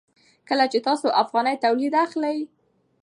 کله چې تاسو افغاني تولید اخلئ.